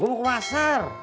gua mau ke pasar